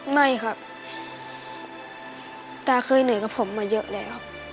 ไม่ครับตาเคยเหนื่อยกับผมมาเยอะแล้ว